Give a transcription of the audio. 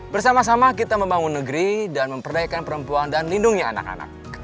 bersama sama kita membangun negeri dan memperdayakan perempuan dan lindungi anak anak